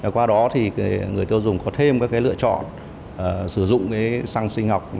qua đó thì người tiêu dùng có thêm các cái lựa chọn sử dụng cái săng sinh học